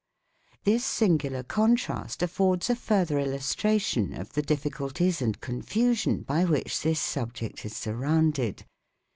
This singular contrast affords a further illustration of the difficulties and confusion by which this subject is surrounded.